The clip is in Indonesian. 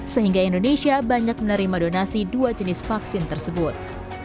sehingga indonesia banyak menerima donasi dua jenis vaksin tersebut